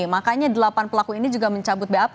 makanya delapan pelaku ini juga mencabut bap